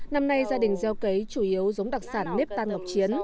năm nay gia đình gieo cấy chủ yếu giống đặc sản nếp tan ngọc chiến